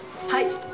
はい。